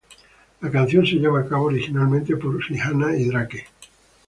La canción se lleva a cabo originalmente por Rihanna y Drake.